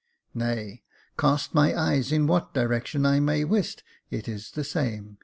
Nay, cast my eyes in what direction I may wist, it is the same.